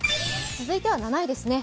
続いては７位ですね。